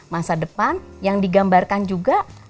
masa depan yang digambarkan juga